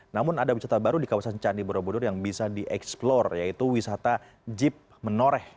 namun ada wisata baru di kawasan candi borobudur yang bisa dieksplor yaitu wisata jeep menoreh